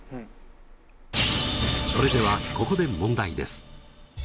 それではここで問題です。